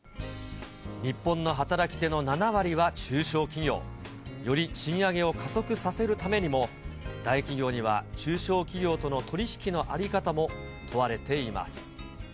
日本の働き手の７割は中小企業。より賃上げを加速させるためにも、大企業には中小企業との取り引きの在り方も問われています。